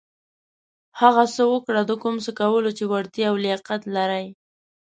هغه څه وکړه د کوم څه کولو چې وړتېا او لياقت لرٸ.